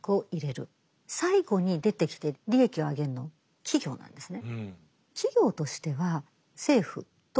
最後に出てきて利益を上げるのは企業なんですね。